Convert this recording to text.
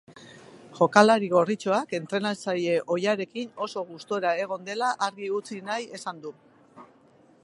Jokalari gorritxoak entrenatzaile ohiarekin oso gustura egon dela argi utzi nahi esan du.